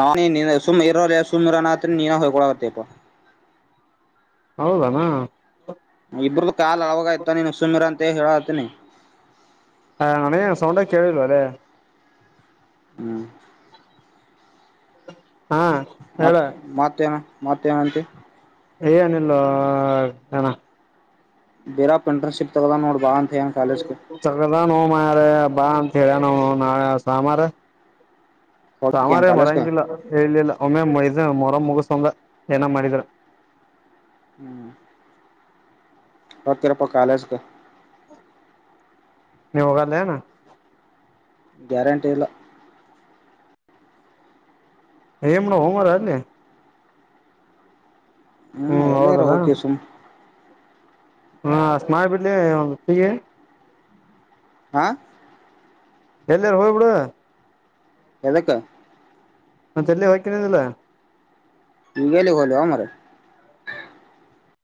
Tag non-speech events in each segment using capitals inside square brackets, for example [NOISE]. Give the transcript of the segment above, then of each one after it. ನಾನ ಸುಮ್ಮ್ ಇರೋ ಸುಮ್ಮ್ ಇರೋನತ್ರ ನೀನ ಹ್ಕೊಳ್ಳಾಗತ್ತೇಪ್ಪ [UNINTELLIGIBLE] ಹೌದೇನ ಇಬ್ರ್ದು ಕಾಲ್ ಅಳವಾಗ ಆಯ್ತ ನೀನು ಸುಮೀರ ಅಂತ ಹೇಳತನಿ ಹ್ಮ್ ನನಗೇನು ಸೌಂಡೇ ಕೇಳಲಿಲ್ಲ ಓಲೆ ಹ್ಮ್ ಹಾ ಹೇಳ ಮತ್ ಮತ್ತೇನು ಮತ್ತೆ ನಂತಿ ಏನಿಲ್ಲ ಅಣ್ಣ ಬೀರಪ್ಪ ಇಂಟ್ರನ್ಶಿಪ್ಪ ತೆಗ್ದಾನ್ ನೋಡ್ ಬಾ ಅಂತ [UNINTELLIGIBLE] ತೆಗ್ದಾ ನೋ ಮಾರಾಯ ಬಾ ಕೇಳನವ ಅವ ನಾಳೆ ಸೋಮಾರ ಹೋಗ್ತಿ ಏನ್ ಸಾಮಾರ ಕಾಲೇಜ್ಗೆ ಮರಂಗಿಲ್ಲ ಹೇಳಿಲ್ಲ ಒಮ್ಮೆ ಮೈಜಾ ಮುಗಸಂದ ಏನ ಮಾಡಿದ್ರ ಹ್ಮ್ ಹೋಗ್ತೀರಪ್ಪಾ ಕಾಲೇಜ್ ಕ ನೀವು ಹೋಗಾಲೇನ್ ಗ್ಯಾರಂಟಿಲ್ಲ ಏನ್ ಮಾಡವೊ ಮಾರಾಯ ಅಲ್ಲಿ ಹ್ಮ್ ಎಲ್ಲರ ಹೋಕೀವಿ ಸುಮ್ ಹಾ ಅಷ್ಟ್ ಮಾಡ್ ಬಿಡ್ಲೇ [UNINTELLIGIBLE] ಹಾ ಎಲ್ಲೆ ಹೋಗ್ಬಿಡು ಎದಕ್ಕ ಮತ್ತೆ ಎಲ್ಲಿ ಹೋಗ್ತೀನಿ ಅಂದೆಲ್ಲ ಹೀಗೆಲ್ಲಿ ಹೋಗ್ಲಿ ಮಾರಾಯ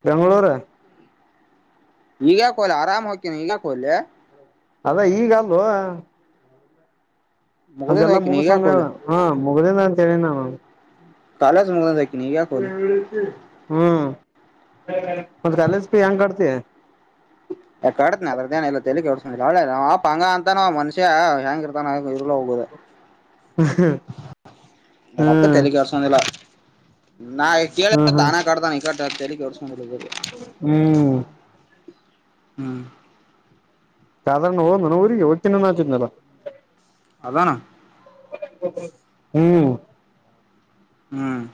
ಬೆಂಗಳೂರು ಈಗಯಾಕ್ ಕೋಲಿ ಆರಾಮ್ ಹೋಕಿನಿ ಈಗ ಯಾಕ್ ಕೋಲಿ ಅದಾ ಈಗ ಅಲ್ಲೋ ಮುಗ್ದಿಂದ ನಂದೆಲ್ಲಾ ಹೋಗ್ತೀನಿ ಈಗ್ಯಾಕ್ ಮುಗ್ಸಮ್ಮ ಹೋಲಿ ಹೇಳು ಹ್ಮ್ ಮುಗದಿಂದ ಸರಿ ನಾನು ಕಾಲೇಜ್ ಮುಗಸಕ ಈಗ ಕೋಲಿ ಹ್ಮ್ ಮತ್ತ ಕಾಲೇಜ್ ಫೀ ಹೆಂಗ್ ಕಟ್ತಿ ಕಟ್ತೀನಿ ಅದರ್ದೇನು ತಲೆ ಕೆಡಿಸಿಕೊಂಡಿಲ್ಲ ಇ ಪ ನಮ್ಮ ಅಪ್ಪ ಅಂಗೇ ಅವ ಮನುಷ್ಯ ನಾಳೆ ಇರುವುದು ಹೋಗುವುದೇ ಹ್ಮ್ ತಲಿ ಕೆಡ್ಸೋದಿಲ್ಲ ನಾ ಹ್ಮ್ ಕೇಳಿಲ್ಲ ಹ್ಮ್ ತಾನೇ ಕಟ್ತನ ಈ ಕಟ ತಲೆ ಕೆಡ್ಸ್ಕೊಂಡಿಲ್ಲ ಬಿಡು ಹ್ಮ್ ಹ್ಮ್ ಸಾಧಾರಣ ಹೋದ್ ನ ಊರಿಗೆ ಹೋಗ್ತಿದ್ದ ಅನ್ನ ತಿದ್ನಲ್ಲ ಅದಾನ ಹ್ಮ್ ಹ್ಮ್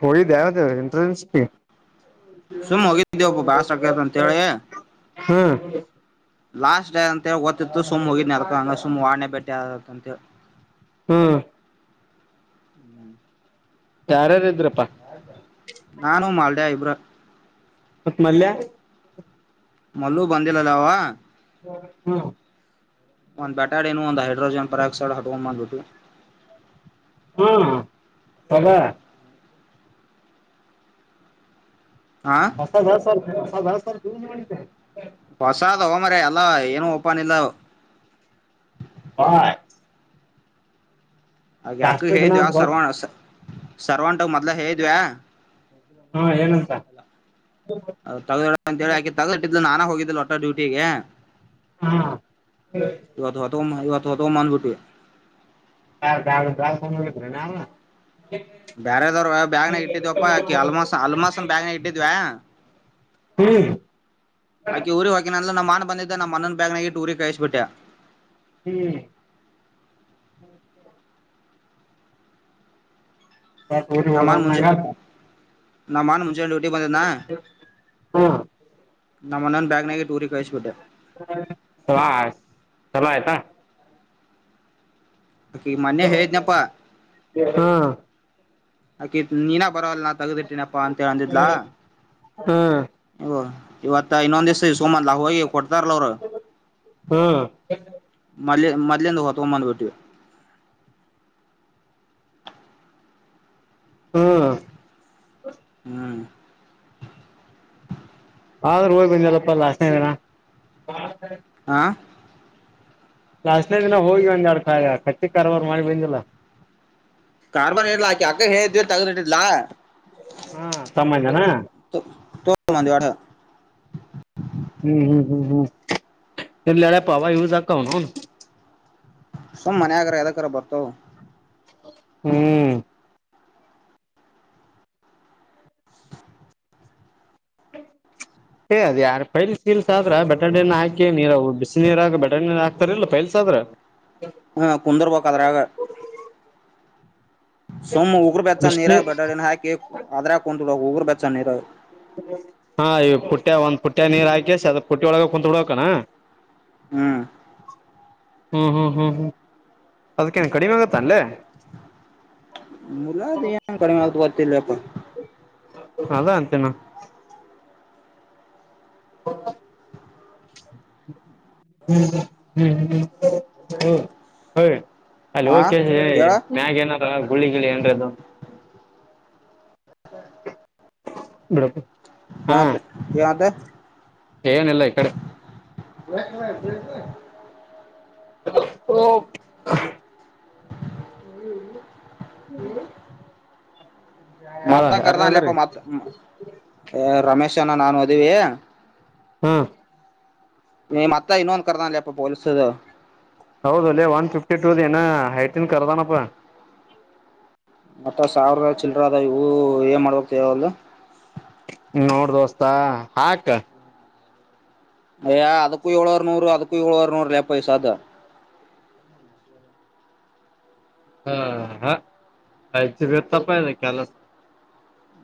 ಹೋಗಿದ್ದ ಅದು ಇಂಟ್ರನ್ಶಿಪ್ ಗೆ ಸುಮ್ ಹೋಗಿದ್ದಿವ ಒಬ್ಬ ಬಾಸ್ಕ್ಯತ ಅಂತ ಹೇಳೇಳಿ ಹ್ಮ್ ಲಾಸ್ಟ್ ಡೇ ಅಂತೇಳಿ ಗೊತ್ತತಿತ್ತು ಸುಮ್ ಹೋಗಿ ನರ್ಕ ಹಂಗ ಸುಮ್ ವಾರ್ನೆ ಬೆಟ್ಟೆಂತ ಹ್ಮ್ ಹ್ಮ್ ಯಾರ್ಯಾರು ಇದ್ರಪ್ಪಾ ನಾನು ಮಾಲ್ಡ್ಯ ಇಬ್ರ ಪತ್ಮಲ್ಲಯ ಮಲ್ಲು ಬಂದಿಲ್ಲಲ್ಲ ಅವ ಹಾ ಒಂದ್ ಬಟಾಡ್ ಏನು ಒಂದ್ ಹೈಡ್ರೋಜನ್ ಪರಕ್ಸೈಡ್ ಹಟ್ಕೊಂಡ್ ಬಂದ್ಬಿಟ್ಟು ಹಾ ಸದ ಹಾ ಹೊ ಚತ ಹ ಬ ಹೊಸಾದ ಹ ಮರ ಅಲ್ಲಾ ಏನು ಓಪನ್ ಇಲ್ಲ ಹಾಯ್ ಹಾಗೆ ಅಕ್ಕ ಹೇ ದಿನ ದ ಆ ಅಂತ ಗೊತ್ ಸರ್ವನಸ ಸರ್ವಂಟಾಗ ಮೊದ್ಲ ಹೇಿದ್ವಾ ಹಾ ಏನಂತ ಅಲ್ಲ [INAUDIBLE] ತಗೋ ಅಂತ ಹೇಳಿಕೆ ತಗಟ್ಟಿದ್ ನಾ ಹೋಗ ಹೋಗ ಒಟ್ಟ ಡ್ಯೂಟಿಗೆ ಹಾ ಇವತ್ತುತವತ್ತು. ಟ ಮ ಬಟ್ಟೆ [UNINTELLIGIBLE] ನಾವ ಬೇರೆದವ್ರು ಬ್ಯಾಗ್ನಾಗ ಇಟ್ಟಿದ್ವಪ್ಪಾಕಿ ಅಲ್ಮಸ್ ಅಲ್ಮಸ್ನ್ ಬ್ಯಾಗ್ನಾಗ ಇಟ್ಟಿದ್ವ್ಯಾ. ಹ್ಮ್ ಆಕಿ ಊರಿಗೆ ಹೋಗಕಿನ ನಮ್ಮ ಮಾನ್ ಬಂದಿದ್ದ ನಮ್ಮ ಮನನ್ ಬ್ಯಾಗನಾಗಿಟ್ಟಿ ಊರಿಗೆ ಕಾಯಿಸ್ಬಿಟ್ಟೆ. ಹ್ಮ್ [UNINTELLIGIBLE] ನ ಮಾನ್ ಡ್ಯೂಟಿ ಬಂದಿದ್ದ ಹ್ಮ್ ನ ಮನನ್ ಬ್ಯಾಗ್ನಗ ಟೂರಿ ಕಳ್ಸಬಿಟ್ಟೆ. ಚಲೋ ಆಯ್ತ್ ಚಲೋ ಆಯ್ತಾ ಅಕಿ ಮೊನ್ನಯ ಹೇಳಿದ್ನಪ್ಪಾ. ಹ್ಮ್ ಆಕಿತ್ ನೀನಾ ಬರವಲ್ಲ ನಾ ತೆಗೆದಿಟ್ಟಿರ್. ಪಪ್ಪಾ ಅಂತ ಹೇಳಂದಿದ್ಲ ಹ್ಮ್ ಹೂ ಇವತ್ತ ಇನ್ನೊಂದ್ ದಿವಸ ಸೋಮನ್ ಲಾಖ ಹೋಗಿ ಕೊಡ್ತಾರಲ್ಲ ಅವರು. ಹ್ಮ್ ಮಲ್ಲಿ ಮಲ್ಲಿ ಎಂದು ಹೊತ್ತಂಬಂದು ಪಟ್ಟ. ಹ್ಮ್ ಹ್ಮ್ ಆದ್ರೂ ಹೋಗ್ ಬಂದಲ್ಲಪ್ಪ ಲಾಸನ ಇದನಾ. ಹಾ ಲಾಸ್ನೇ ದಿನ ಹೋಗಿ ಒಂದ ಎಡ್ ಕ ಕಚ್ಚಿ ಕಾರವಾರ ಮಾಡಿ ಬಂದಿಲ್ಲ. ಕಾರ್ಬನ್ ಹೈಡ್ರಾಕಿ ಅಕ್ಕ ಹೇ ಇದೀ ತಗ್ದಿಟ್ಟಿದಿಲ್ಲಾ. ಹಾ ತಮ್ಮ ಇದನಾ. ತೊ ತೊ ಬಂದ್ವಿ ಒಟ್ಟ. [INAUDIBLE] ಹ್ಮ್ ಹ್ಮ್ ಹ್ಮ್ ಹ್ಮ್ ಎ ಲಳೆ ಪಾವ ಇವುಕ ಹನು ಹನು ಸುಮ್ ಮನೆ ಆಗಾರ ಯದಕರ ಬರ್ತಾವ ಹ್ಮ್ ಏ್ ಅದ ಯಾರ ಪೈಲ್ಲ್ಸ ಆದ್ರ ಬೆಟ್ಟಣಿಯನ್ನ ಹಾಕಿ ನೀ ಬಿಸ ನೀರಗ ಬೆಟಣ ಹಾಕ್ತಾರಲ್ಲ ಪೈಲ್ಸ ಆದ್ರ ಹ್ಮ ಕುಂದರಪೋ ಕದರಾಗ ಸುಮ್ ಉಗರು ಬೆಚ್ಚ ನೀರ ಬಿಸಿನೀರ್ ಬಡ ಹಾಕ ಅದ್ರ ಕೊಂಡ ಒಊರು ಬೆಚ ನೀರ ಹಾ ಈ ಪುಟ್ಟ್ಯ ಒಂದ್ ಪುಟ್ಟ್ಯ ನೀರ್ ಹಾಕಿ ಸದ ಪುಟ್ಟಿಯ ಒಳಗ ಕುೂತ್ ಬಿಡ್ಕಣ ಹ್ಮ್ ಹ್ಮ್ ಹ್ಮ್ ಹ್ಮ್ ಹ್ಮ್ ಅದಕ್ಕೇನ್ ಕಡಿಮೆ ಆಗತ್ತಾ ಅಲ್ಲ ಮುಲ ಯನ್ ಕಡಿಮೆ ಆಗ್ತತಲ್ಲ ಬಪ್ಪ ಅದ ಅಂತೇನ ಹ್ಮ್ ಹ್ಮ ಹ್ಮ್ ಹ್ಮ್ ಹ ಹ ಅಲ್ಲಿ ಹಾ ಕೆ ಹೇಳ ಮ್ಯಾಗ ಏನಾರ ಗುಳಿ ಗಳಿ ಏನ್ರದು ಹ [INAUDIBLE] ಬಡಕು [INAUDIBLE] ಯತ್ ಯತ ಏನ ಇಲ್ಲ ಇ ಕಡೆ ಬತ [UNINTELLIGIBLE] [INAUDIBLE] ಹ್ಮ [INAUDIBLE] ಹ್ಮ ಹೇಳ ಮತ ಕದ ಅಲ್ಲಪ್ಪ ಯಾರನದ್ರೀ ಮ ರಮೇಶ್ ಚನ ನಾನು ಮದುವ ಹ್ಮ್ ನೀ ಮತ್ತಾ ಇನ್ನೊಂದು ಕರದಾಲ್ಲಯಾಪ್ಪೊಲೀಸ ಹೌದ ಅಲ್ಲ ಒನ್ ಫಿಫ್ಟಿ ಟೂದ ಏನ ಹೈಟನ್ ಕರ್ದಾನಪ್ಪಾ ಮತ್ತ ಸಾವಿರ ಚಲ್ರ ಅದ ಇವು ಏನ್ ಮಾಡ್ಬೇಕತವ ಅಲ್ಲ ನೋಡ ದೋಸ್ತಾ ಹಾಕ್ ಅಯ್ಯ ಅದಕ್ಕೂ ಏಳವರ್ ನೂರು ಅದಕ್ಕೂ ಏಳುವರ್ ನೂರು ಲ ಪೈಸ ಅದ ಹಾ ಹಾ ಆಯ ವ್ಯಥಪ ಕಲ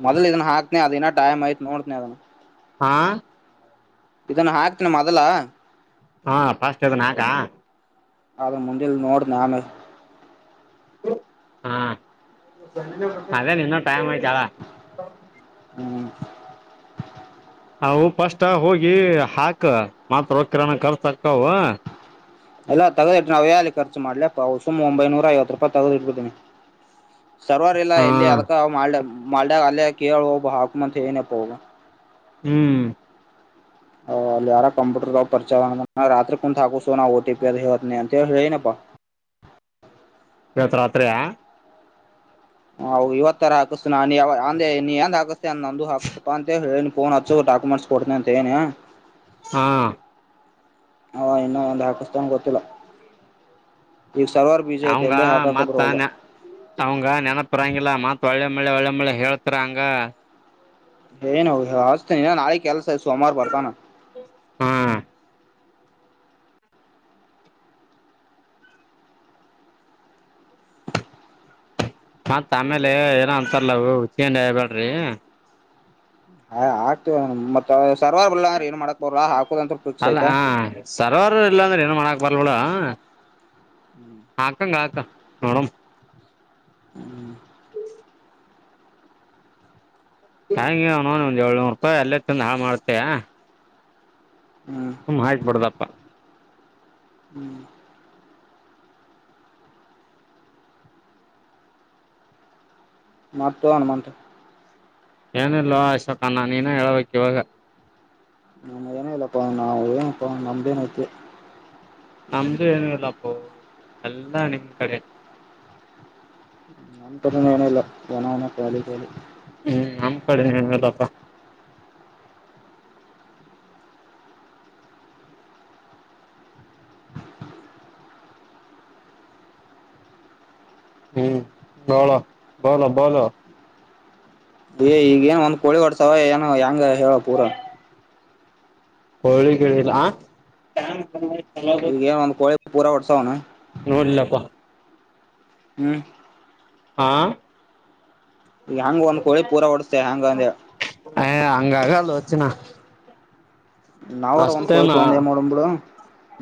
ಮೊದ್ ಇದನ್ ಹಾಕ್ತನ ಅದನ್ನ ಟೈಮ್ ಐ್ತ್ ನೋಡ್ತನನೆ ಅದನ್ನ ಹಾ ಇದನ್ನ ಹಾಕ್ತನ ಮೊದಲ ಹಾ ಫಸ್ಟ್ ಅನ್ ಹಾಕಾ. ಅದು ಮುಂದಿಲ್ ನೋಡ್ ನ ಆಮೇ. ಹಾ. ಅದೇ ನಿನ್ನ ಟೈಮ್ ಆಯತಳ. ಹ್ಮ್. ಅವು ಪಫಸ್ಟ್ ಹೋಗಿ ಹಾಕ ಮಾತ್ರ ವಕರಣನ ಕರ್ಸಕ್ಕವು. ಎಲ್ಲ ತಗದಿಟ್ಟ್ರ ನಾವ ಯ ಹೇಳಲ್ಲಿ ಖರ್ಚು ಮಾಡ್ಲಪ್ಪ ಸುಮ್ ಒಂಬೈನೂರ ಐವತ್ತು ರೂಪಾಯಿ ತಗದಿ ಇಟ್ಬಡ್ತೀನಿ. ಸರ್ವರ್ ಎಲ್ಲ ಹಾ ಎಲ್ಲಿ ಅದಕ್ಕ ಮಾಡ್. ಮಲ್ಡ ಅಲ್ಲಯ ಕೇಳ್ ಹೋಗಬ ಹಾಕ ಮಂತ ಏನಪ್ಪ ಹೋಗ. ಹ್ಮ್. ಹ ಅಲ್ಲಿ ಯಾರ ಕಂಪ್ಯೂಟರ್ಗೆ ಪಚಾರ ರತ್ರಿ ಕ ಹಾಕುಸೋ ಓಟಿಪಿ ಅ ಹೇತ ಅಂತ ಹೇಳನಪ್ಪ. ಗತರಾತ್ರಯ. ಹ ಇವತ್ತ ತರ ಹಾಕಿಸತ ನಾನ್ ಅಂದೆ ನೀನ್ ಎಂದ ಹಾಕಿಸತೆ ಅಂದ ನಂದು ಹಾಕಿಸಸಪ್ಪ ಅಂತ ಹೇಳಿ ಫೋನ್ ಹಚ್ಚು ಡಾಕ್ಯುಮೆಂಟ್ಸ್ ಕೊಡ್ತೀನಿ ಅಂತ ಹೇಳಿನಿ. ಹಾ. ಹ ಇನ್ನು ಒಂದು ಹಾಕಸ್ತಂಗ ಗೊತ್ತಿಲ್ಲ. ಈಗ ಸರ್ವರ್ ಬಿಜಿ ಐತಿ ಅವಂಗ ಎಲ್ಲಿ ಹಾಕಕ ಮಾತಾ ಬರವಲ್ದು ನ ಅವಂಗ ನೆನಪ್ರಂಗ ಮಾತಾ ಒಳ್ಳೆ ಮಳ್ಳೆ ಒಳ್ಳೆ ಮಳ್ಳೆ ಹೇಳ್ತಾರ ಹಂಗ. ಹೆಲೆನ್ ಆಂಗ್ ನ ನಾಳೆ ಕೆಲ್ಸ ಸೋಮವಾರ ಬರ್ತಾನ. ಹ್ಮ್ ಮತ್ ಆಮೇಲೆ ಏನ ಅಂತರ್ಲವು ಹಿಂಡ ಹಬ್ಯಾಡ್ರಿ. ಹ. [UNINTELLIGIBLE] ಏನ್ ಮಾಡಕ್ ಬರಲ್ಲ ಹಾಕೋದಂತ ಫಿಕ್ಸ್ ಅಲ್ಲ ಐತೆ ಹ ಸರ್ವರ್ ಇಲ್ಲ ಅಂದ್ರೆ ಏನ್ ಮಾಡಾಕ್ ಬರ್ಬಳ ಹ್ಮ್ ಹಾಕಂಗ ಹಕ ನೋಡಮ. ಹ್ಮ್. ಹಂಗೆ ಅವ ನೋ ಒಂದ್ ಏಳ್ನೂರು ರೂಪಾಯಿ ಅಲ್ಲೇ ತಿಂದು ಹಾಳ ಮಾಡ್ತೇಯಾ. ಹ್ಮ್ ಹ್ಮ ಆಯ್ತು ಬಡ್ದಪ್ಪಾ. ಹ್ಮ್. ಮತ ಅನುಮಂತ. ಏನಲ್ವಾ ಅಶೋಕನ್ನ ನೀನ ಹೇಳ್ಬೇಕಕ್ ಇವಾಗ. ನಾನ ಏನ ಇಲ್ಲಪ್ಪ. ನಾವು ನಮ್ಡೆನೈತಿ. ನಮ್ದು ಏನು ಇಲ್ಲಪ್ಪೋ ಎಲ್ಲಾ ನಿಮ್ ಕಡೆ. ನಂ ಕರಿ ಏನಿಲ್ಲ. [UNINTELLIGIBLE] ಹ್ಮ್ ನಮ್ ಕಡೆ ಏನಲ್ಲಪ್ಪ ಹ್ಮ್ ಬಾಳ ಬಲ ಬಲ. ದೇ ಈಗ ಏನ್ ಒಂದ್ ಕೋಳಿ ಹೊಡ್ಸವ ಏನ್ ಹೆಂಗ ಹೇಳ ಪೂರ. ಕೋಳಿ ಗಿಳಿಲ್ಲ. ಈಗೇನ ಒಂದಕೋಳಿ ಪೂರ ವರ್ಷ ಹನು. [UNINTELLIGIBLE] ಹ್ಮ್. ಆ ಹೆಂಗ ಒಂದ್ ಕೋಳಿ ಪೂರಾ ಓಡಸ್ತೇ ಹೆಂಗ ಅಂದೇ ಚಿಪನಾ ನಾವರಾ ಒಂದ ಕೊಳಿ ತೂಗೊಂಡ ಏನ ಮಾಡಣ ಬಿಡು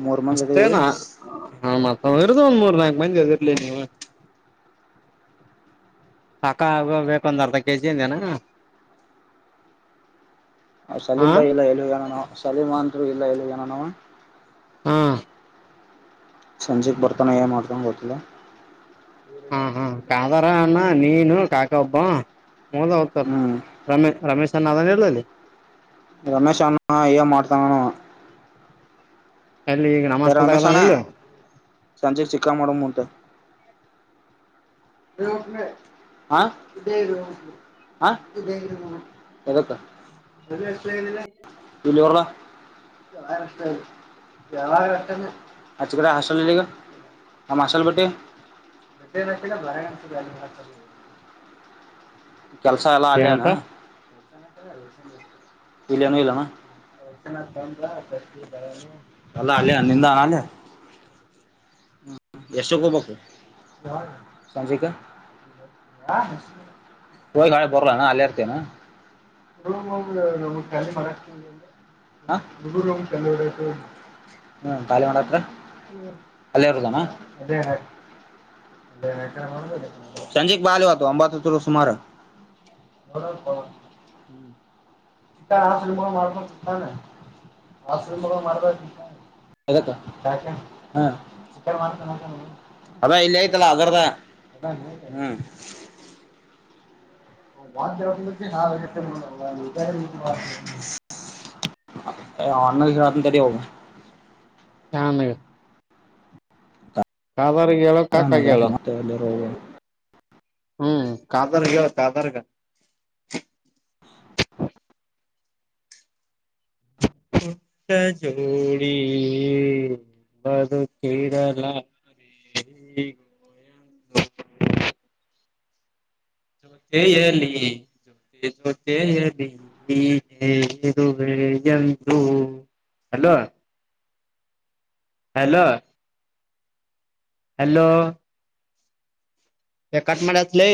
ಮೂರ್ ಮಂದಿ ಅದವಿ ಹಾ ಮತ್ತದರದುು ಒಂದ್ ಮೂರ್ ನಾಕಕ್ ಮಂದಿ ಅದಿರ್ಲಿ ನೀವು ಪಕಾ ಆಗೋಗೈತಿ ಒಂದ ಅರ್ಧ ಕೆಜಿ ಅಂದನಾ ಅವ್ ಸಲೀಂ ಬಾಯಿ ಇಲ್ಲ ಹೇಳಿಲ್ಲಾ ನಾನು ಸಲಿಮಾನ ಇಲ್ಲಾ ಇಲ್ಲಿ ಏನ ಅನೋನ ಅವಾ ಹಾ. ಸಂಜೆಗೆ ಬರ್ತಾನೆ ಏನ ಮಾಡತಾನ ಗೊತ್ತಿಲ್ಲಾ ಹ್ಮ್ ಹ್ಮ ಕಾಲ. ವರಾ ಅಣ ನೀನು ಕಾಕ ಒಬ್ಬ ಮೋಲ ಹೊಗತಾರ ಹ್ಮ್ ರಮೇಶ ರಮೇಶ್ ಚನ್ನ ಅದನ್ ಇಲ ಅಲ್ಲಿ ರಮೇಶ್ ಅಣ್ಣ ಎನ್ ಮಾಡ್ತಾನಾನೂ ಅಲ್ಲಿ ಈಗ ನಮ್ಮ ಹಾಸ್ಟೆಲ್ದಾಗ ಅದಾನ ರಮೇಶ್ಣ್ಣ ಇಲ್ಲ ಸಂಜೆ ಚಿಕ್ಕಾ ಮಾಡು ಮುಂದೆ ಹ ಹ ಎದುಕಾ ಆಚ ಬಿಡ ಹಾಸ್ಟೆಲ್ ಅಲಿ ಈಗಾ ನಮ್ಮ ಹಾಸ್ಟೆಲ್ ಬಿಟಿ ಬಳಗಂ ಗಾಜ ಕೆಲ್ಸ ಎಲ್ಲಾ ಅಲ್ಲೆಯನ ಏನಂತ ಇಲೇನು ಇಲ್ಲಣ ಅಲಾ ಆಲೇ ಅಲಿಂದಾಲೇ ಎಷ್ಟಕ್ಕ ಹೋಗ್ಬೇಕು. ಸಂಜಿಕಾ ಹೋಗಿ ನಾಳೆ ಬರಲಣ ಅಲ್ಲೇ ಇರ್ತೇನಾ ಹ ಖಾಲಿ ಮಾಡತ್ರ ಅಲ್ಲೇ ಇರೋದನಾ. ಸಂಜೆಕ್ ಬಾಲೇ ಒಂದ ಒಂಭತ ಅತ್ರು ಸುಮಾರು ಅದಕ್ಕ ಅದಾ ಇಲ್ಲೇ ಐತಲ್ಲ. ಗರದ ಹ್ಮ ಎ ಅಣ್ಣಾಗ್ ಹೇಳ್ತೀನಿ ತಡೀ ಅವು. ಹಾ ಮೇಡ ಕಾದ ಆರಮದಾ ಮತ್ತೆ ಎಲ್ಲಿರೋ ಹೋಗ್ ಹ್ಮ್ ಕಾತಾರಗೆ ಕಾತಾರಗ. ಪುಟ್ಟ ಜೋಡಿ ಬದುಕಿರಲಾರಿ ಗೋಯ. ಜೋತೆಯಲಿ ಜೊತೆ ಜೊತೆಯಲಿ ಹೀಗೆ ಇರುವೆ ಎಂದು ಹಲೋ ಹಲೋ ಹಲೋ ಎ ಕಟ ಮಾಡತ್ಲೇ.